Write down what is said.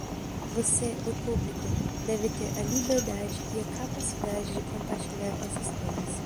Você, o público, deve ter a liberdade e a capacidade de compartilhar essas coisas.